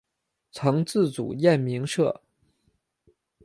曾自组燕鸣社。